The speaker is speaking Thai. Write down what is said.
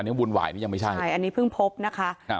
วุ่นวายนี่ยังไม่ใช่ใช่อันนี้เพิ่งพบนะคะครับ